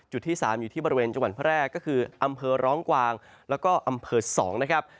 ที่๓อยู่ที่บริเวณจังหวัดแพร่ก็คืออำเภอร้องกวางแล้วก็อำเภอ๒นะครับ